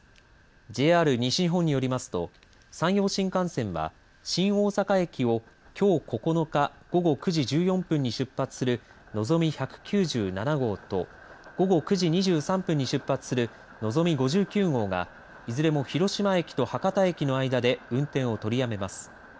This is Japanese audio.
ＪＲ西日本によりますと山陽新幹線は新大阪駅をきょう９日午後９時１４分に出発するのぞみ１９７号と午後９時２３分に出発するのぞみ５９号がいずれも広島駅と博多駅の間で運転を取りやめます。